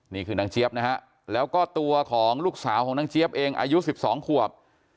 นี่คือนางเจี๊ยบนะฮะแล้วก็ตัวของลูกสาวของนางเจี๊ยบเองอายุ๑๒ขวบ